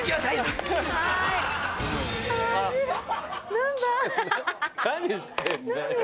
何してんだよ。